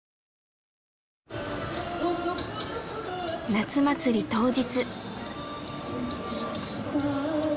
夏祭り当日。